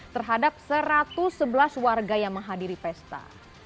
terhadap satu ratus sebelas warga yang menghadiri pesta